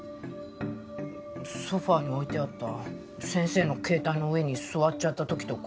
ソファに置いてあった先生の携帯の上に座っちゃった時とか。